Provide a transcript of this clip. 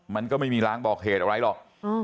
มันก็ไม่มีล้างบอกเหตุอะไรหรอก